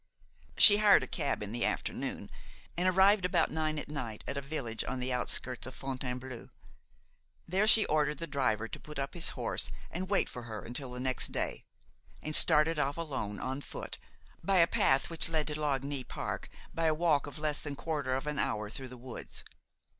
She hired a cab in the afternoon and arrived about nine at night at a village on the outskirts of Fontainebleau. There she ordered the driver to put up his horse and wait for her until the next day, and started off alone, on foot, by a path which led to Lagny park by a walk of less than quarter of an hour through the woods.